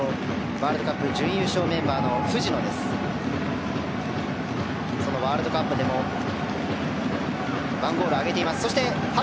ワールドカップ準優勝メンバーの藤野はそのワールドカップでも１ゴールを挙げています。